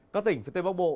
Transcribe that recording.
các tỉnh phía tây bắc bộ